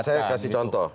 saya kasih contoh